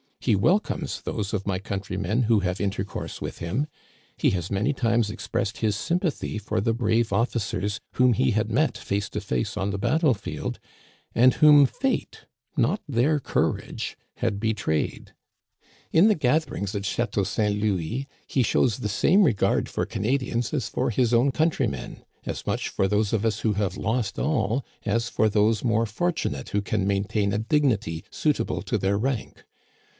He welcomes those of my coun trymen who have intercourse with him. He has many times expressed his sympathy for the brave officers Digitized by VjOOQIC 24D THE CANADIANS OF OLD, wfa<Hn he had met ûu:e to face on the battle field, and whom fate^ not their courage, had betrayed. In the gatherings at Chateaa St. Louis he shows the same re gard for Canadians as for his own countrymen, as much for those of us who have lost all as for those more for tunate who can maintain a dignity suitable to their rank.